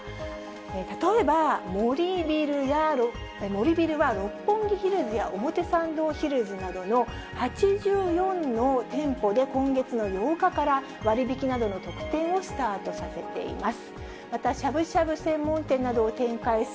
例えば森ビルは六本木ヒルズや表参道ヒルズなどの８４の店舗で今月の８日から割引などの特典をスタートさせています。